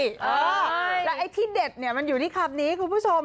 แล้วไอ้ที่เด็ดเนี่ยมันอยู่ที่คำนี้คุณผู้ชม